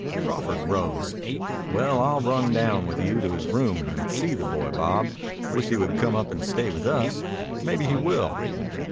Crawford rose. "Well, I'll run down with you to his room and see the boy, Bob. Wisht he would come up and stay with us. Maybe he will."